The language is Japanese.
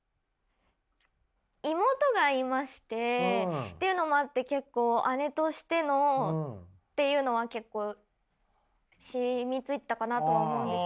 妹がいましてっていうのもあって結構姉としてのっていうのは結構染みついてたかなとは思うんですけど。